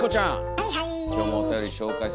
はいはい。